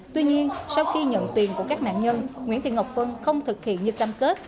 tuy nhiên sau khi nhận tiền của các nạn nhân nguyễn thị ngọc vân không thực hiện như cam kết